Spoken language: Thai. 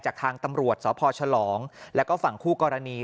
จากทางตำรวจสพฉลองแล้วก็ฝั่งคู่กรณี